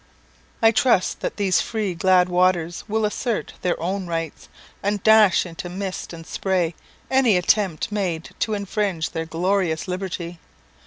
I trust that these free glad waters will assert their own rights, and dash into mist and spray any attempt made to infringe their glorious liberty.